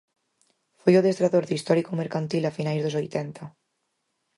Foi o adestrador do histórico Mercantil a finais dos oitenta.